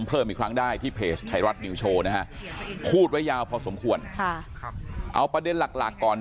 เอาประเด็นหลักก่อน